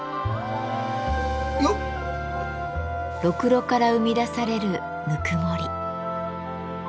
ろくろから生み出されるぬくもり。